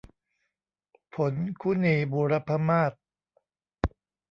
ผลคุนีบูรพมาส